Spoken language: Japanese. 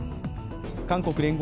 韓国聯合